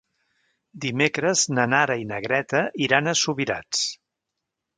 Dimecres na Nara i na Greta iran a Subirats.